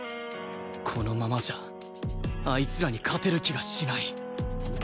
このままじゃあいつらに勝てる気がしない